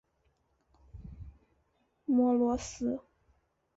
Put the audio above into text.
摩罗斯。